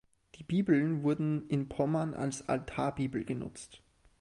Die Bibeln wurden in Pommern als Altarbibel genutzt.